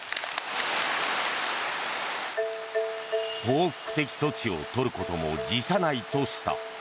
報復的措置を取ることも辞さないとした。